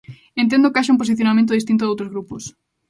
Entendo que haxa un posicionamento distinto doutros grupos.